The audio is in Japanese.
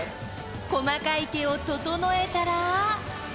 細かい毛を整えたら。